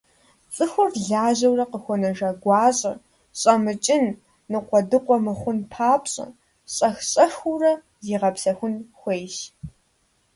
ЦӀыхур лажьэурэ къыхуэнэжа гуащӀэр щӀэмыкӀын, ныкъуэдыкъуэ мыхъун папщӀэ, щӏэх-щӏэхыурэ зигъэпсэхун хуейщ.